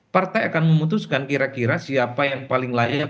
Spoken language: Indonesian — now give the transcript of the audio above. partai akan memutuskan kira kira siapa yang paling layak